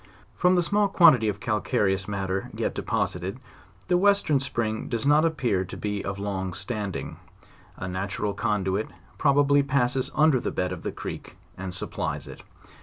From the small quantity of cal careous matter yet deposited, the western spring does not appear to be of long standing; a natural conduit probably passes under the bed of the creek, and supplies it.